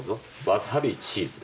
わさびチーズ？